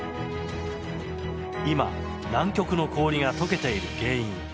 今、南極の氷が解けている原因。